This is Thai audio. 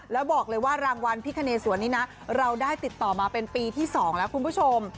แล้วบอกเลยว่ารางวัลพิคเนสวนนี้นะเราได้ติดต่อมาเป็นปีที่๒แล้วคุณผู้ชม